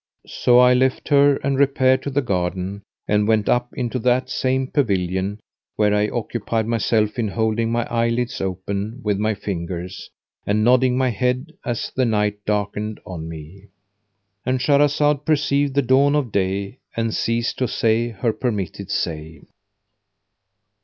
So I left her and repaired to the garden and went up into that same pavilion where I occupied myself in holding my eyelids open with my fingers and nodding my head as the night darkened on me."—And Shahrazad perceived the dawn of day and ceased to say her permitted say.